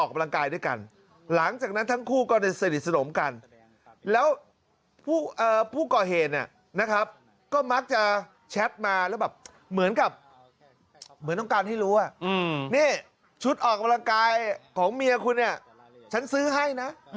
เขาก็จะฟองว่าชุดของเขาชุดของเมียเขา